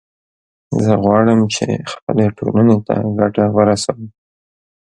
زه غواړم چې خپلې ټولنې ته ګټه ورسوم